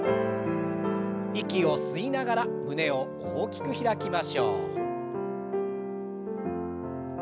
息を吸いながら胸を大きく開きましょう。